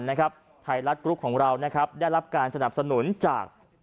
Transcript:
ไทยรัฐกรุ๊ปของเรานะครับได้รับการสนับสนุนจาก